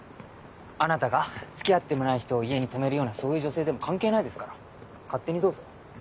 あなたが付き合ってもない人を家に泊めるようなそういう女性でも関係ないですから勝手にどうぞ。